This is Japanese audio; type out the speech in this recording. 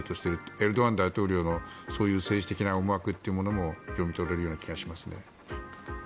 エルドアン大統領のそういう政治的な思惑も読み取れるような気がします。